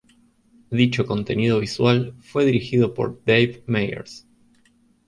Dicho contenido visual fue dirigido por Dave Meyers.